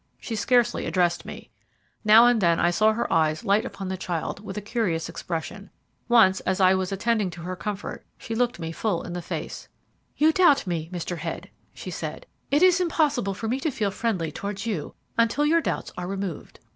She scarcely addressed me. Now and then I saw her eyes light upon the child with a curious expression. Once, as I was attending to her comfort, she looked me full in the face. "You doubt me, Mr. Head," she said. "It is impossible for me to feel friendly towards you until your doubts are removed."